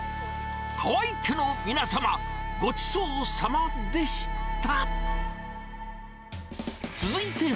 川合家の皆様、ごちそうさまでした。